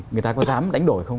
người ta có dám đánh đổi không